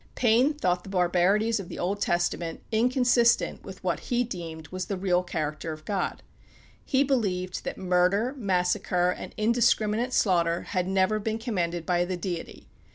Paine thought the barbarities of the Old Testament inconsistent with what he deemed the real character of God. He believed that murder, massacre, and indiscriminate slaughter, had never been commanded by the Deity.